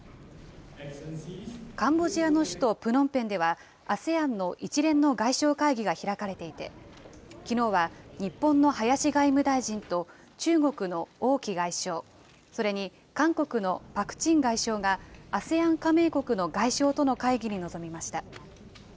カンボジアの首都プノンペンでは、ＡＳＥＡＮの一連の外相会議が開かれていて、きのうは日本の林外務大臣と中国の王毅外相、それに韓国のパク・チン外相が、ＡＳＥＡＮ加盟国の外相との会議に臨みました。